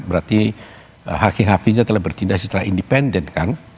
berarti hakim hakimnya telah bertindak secara independen kan